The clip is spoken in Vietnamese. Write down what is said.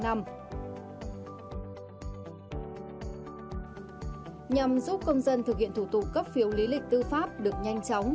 nhằm giúp công dân thực hiện thủ tục cấp phiếu lý lịch tư pháp được nhanh chóng